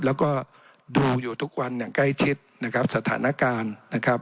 แล้วก็ดูอยู่ทุกวันอย่างใกล้ชิดนะครับสถานการณ์นะครับ